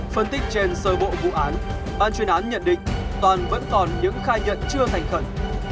phân tích trên sơ bộ vụ án ban chuyên án nhận định toàn vẫn còn những khai nhận chưa thành khẩn